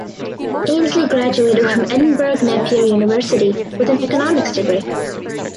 Ainslie graduated from Edinburgh Napier University with an economics degree.